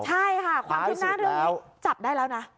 ใช่ค่ะความคืบหน้าเรื่องนี้จับได้แล้วนะ